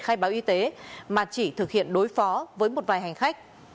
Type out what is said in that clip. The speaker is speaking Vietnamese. khai báo y tế mà chỉ thực hiện đối phó với một vài hành khách